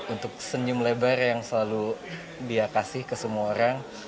untuk senyum lebar yang selalu dia kasih ke semua orang